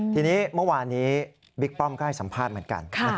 ทีนี้เมื่อวานนี้บิ๊กป้อมก็ให้สัมภาษณ์เหมือนกัน